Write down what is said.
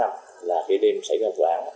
là cái đêm xảy ra vụ án